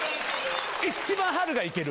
一番はるがいける。